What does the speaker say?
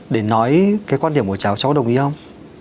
để nói cái quan điểm của cháu cháu có đồng ý không